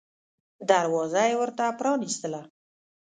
دروازه یې ورته پرانیستله.